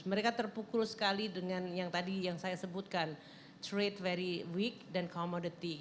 tapi kita akan pukul sekali dengan yang tadi yang saya sebutkan trade very weak dan commodity